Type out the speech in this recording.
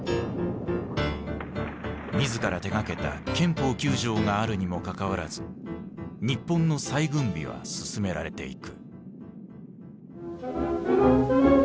自ら手がけた憲法９条があるにもかかわらず日本の再軍備は進められていく。